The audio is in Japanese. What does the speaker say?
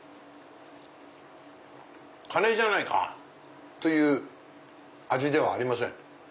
カレーじゃないか！という味ではありません。